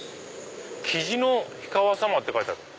「雉子の氷川さま」って書いてある。